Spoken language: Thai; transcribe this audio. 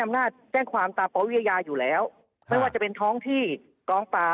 มันก็เลยกลายเป็นว่า